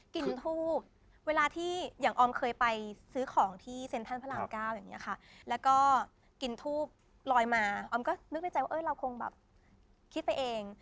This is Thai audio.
ทูบเวลาที่อย่างออมเคยไปซื้อของที่เซ็นทรัลพระรามเก้าอย่างนี้ค่ะแล้วก็กินทูบลอยมาออมก็นึกในใจว่าเราคงแบบคิดไปเอง